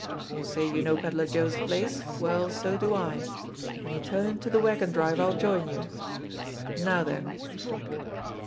You say you know Pedler Joe's place. Well, so do I. When you turn into the wagon drive I'll join you. Now then